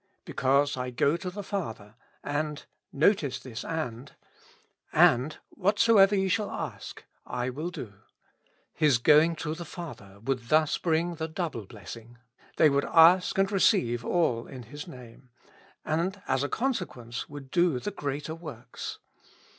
"Because I go to the Father, «;/^— notice this and — and, whatever ye shall ask, I will do." His going to the Father would thus bring the double blessing : they would ask and receive all in His Name, and as a consequence, would do the greater works.